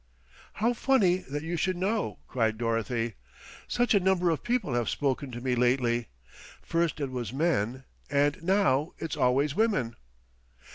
"How funny that you should know!" cried Dorothy. "Such a number of people have spoken to me lately. First it was men, and now it's always women."